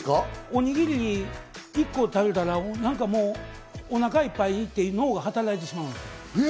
おにぎり１個食べたらお腹いっぱいって脳が働いてしまう。